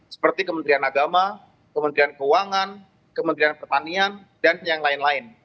seperti kementerian agama kementerian keuangan kementerian pertanian dan yang lain lain